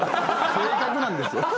⁉性格なんですよ。